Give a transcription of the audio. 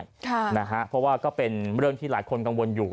เพราะว่าก็เป็นเรื่องที่หลายคนกังวลอยู่